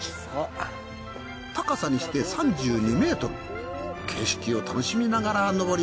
高さにして３２ｍ景色を楽しみながら登ります。